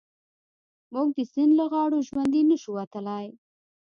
موږ د سيند له غاړو ژوندي نه شو وتلای.